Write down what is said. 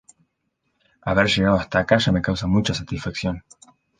Haber llegado hasta acá ya me causa mucha satisfacción.